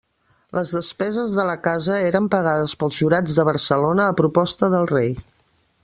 Les despeses de la casa eren pagades pels Jurats de Barcelona, a proposta del rei.